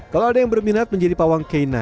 kalau ada yang berminat menjadi pawang k sembilan